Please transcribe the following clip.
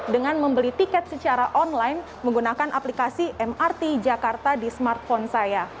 dengan membeli tiket secara online menggunakan aplikasi mrt jakarta di smartphone saya